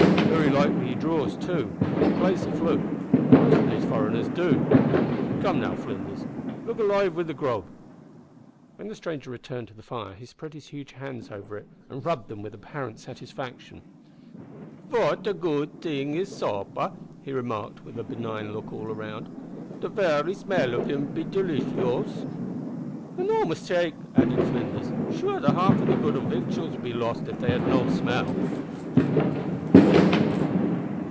Very likely he draws, too an' plays the flute; most o' these furriners do. Come now, Flinders, look alive wi' the grub." When the stranger returned to the fire he spread his huge hands over it and rubbed them with apparent satisfaction. "Fat a goot t'ing is supper!" he remarked, with a benignant look all round; "the very smell of him be deliciowse!" "An' no mistake!" added Flinders. "Sure, the half the good o' victuals would be lost av they had no smell."